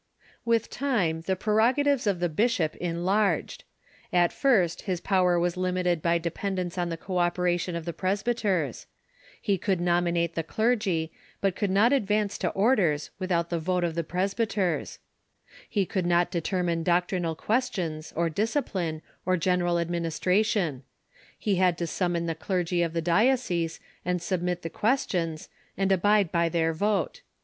With time the prerogatives of the bishop enlarged. At first his power was limited by dependence on the co operation of the presbyters. He could nominate the clergy, but the*Bi'shoD ^^^^^^^^^ advance to orders without the vote of the presbyters. He could not determine doctrinal ques tions, or discipline, or genei al administration. He had to sum mon the clergy of the diocese and submit the questions, and abide by their vote.